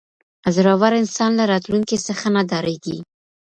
زړور انسان له راتلونکي څخه نه ډاریږي.